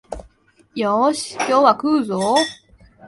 よーし、今日は食うぞお